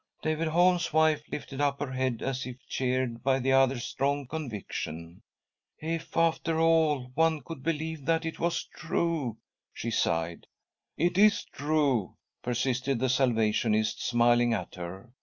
David Holm's wife lifted up her head as if cheered by the other's strong conviction. "If, after all, one could believe that . it was true I " she sighed. " It is true," persisted the Salvationist, smiling at her.